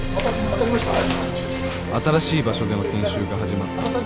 新しい場所での研修が始まった